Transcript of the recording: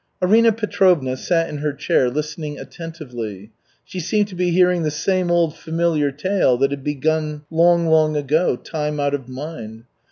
Arina Petrovna sat in her chair listening attentively. She seemed to be hearing the same old familiar tale that had begun long, long ago, time out of mind.